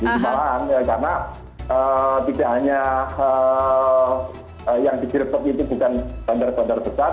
karena tidak hanya yang digeretok itu bukan bandar bandar besar